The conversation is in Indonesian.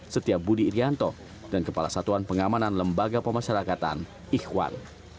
setia budi irianto dan kepala satuan pengamanan lembaga pemasyarakatan ikhwan